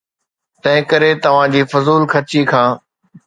تنهنڪري توهان جي فضول خرچي کان.